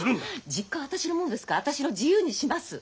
実家は私のもんですから私の自由にします。